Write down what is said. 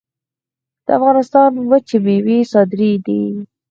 د افغانستان وچې میوې صادرېدې